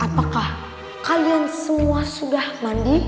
apakah kalian semua sudah mandi